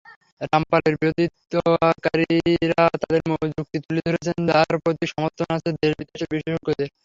রামপালের বিরোধিতাকারীরা তাঁদের যুক্তি তুলে ধরেছেন, যার প্রতি সমর্থন আছে দেশ-বিদেশের বিশেষজ্ঞদের।